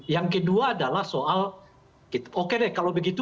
yang kedua adalah soal oke deh kalau begitu